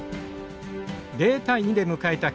０対２で迎えた